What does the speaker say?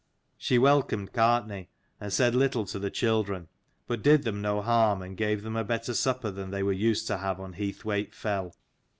She welcomed Gartnaidh, and said little to the children, but did them no harm, and gave them a better supper than they were used to have on Heathwaite fell.